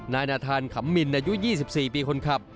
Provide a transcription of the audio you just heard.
นายนาธานขำมินอายุ๒๔ปีคนขับ